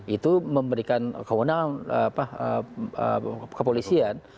itu memberikan kepolisian